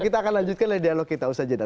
kita akan lanjutkan lagi dialog kita usai jeda